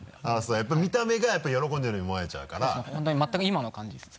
やっぱ見た目が喜んでるように思われちゃうからそう本当に全く今の感じです。